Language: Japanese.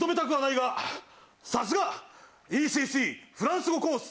さすがＥＣＣフランス語コース